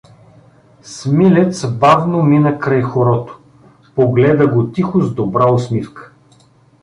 Смилец бавно мина край хорото, погледа го тихо с добра усмивка.